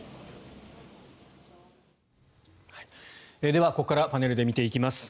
では、ここからパネルで見ていきます。